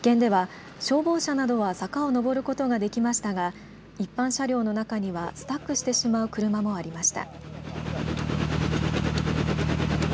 実験では、消防車などは坂をのぼることができましたが一般車両の中にはスタックしてしまう車もありました。